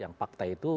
yang fakta itu